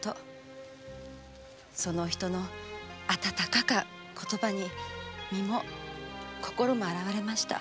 その人の温かか言葉に身も心も洗われました。